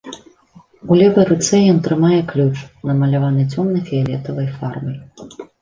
У левай руцэ ён трымае ключ, намаляваны цёмна-фіялетавай фарбай.